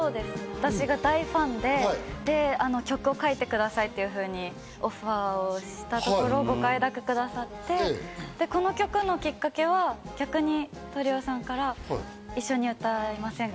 私が大ファンで、曲を書いてくださいというふうにオファーしたところ、ご快諾くださって、この曲のきっかけは逆にトリオさんから一緒に歌いませんか？